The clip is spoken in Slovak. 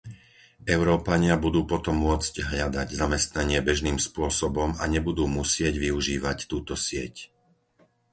Európania budú potom môcť hľadať zamestnanie bežným spôsobom a nebudú musieť využívať túto sieť.